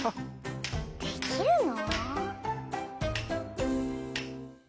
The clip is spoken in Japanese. できるの？